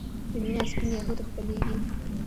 په مينه سپين يهود خپلېږي